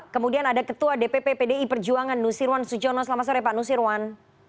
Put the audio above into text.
kemudian ada ketua dpp pdi perjuangan nusirwan sujono selamat sore pak nusirwan